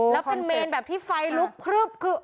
แล้วเป็นเมนแบบที่ไฟลุกพลึบคือ